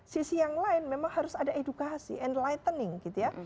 sisi yang lain memang harus ada edukasi and lightening gitu ya